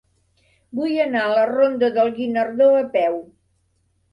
Vull anar a la ronda del Guinardó a peu.